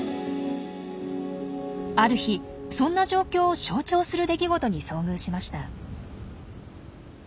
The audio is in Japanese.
ある日そんな状況を象徴する出来事に遭遇しました。